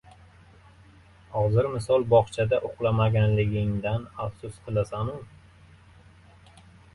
Hozir misol bogʻchada uxlamaganligingdan afsus qilasanu?